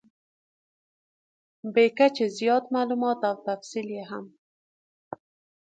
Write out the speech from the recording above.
بې کچې زیات مالومات او تفصیل یې هم .